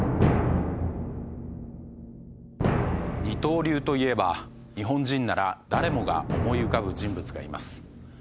「二刀流」といえば日本人なら誰もが思い浮かぶ人物がいます。